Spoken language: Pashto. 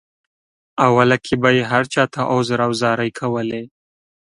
اوله کې به یې هر چاته عذر او زارۍ کولې.